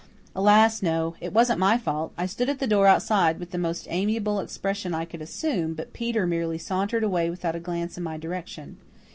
"Alas, no. It wasn't my fault. I stood at the door outside with the most amiable expression I could assume, but Peter merely sauntered away without a glance in my direction.